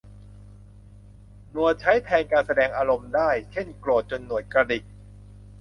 หนวดใช้แทนการแสดงอารมณ์ได้ เช่น โกรธจนหนวดกระดิก